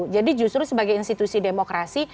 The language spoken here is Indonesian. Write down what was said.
jadi justru sebagai institusi demokrasi